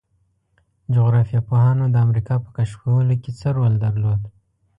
جغرافیه پوهانو د امریکا په کشف کولو کې څه رول درلود؟